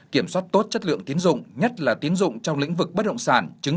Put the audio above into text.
kiểm soát tốt chất lượng tiến dụng nhất là tiến dụng trong lĩnh vực bất động sản